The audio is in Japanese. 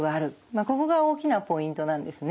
ここが大きなポイントなんですね。